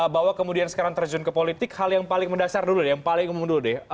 bahwa kemudian sekarang terjun ke politik hal yang paling mendasar dulu deh yang paling ngomong dulu deh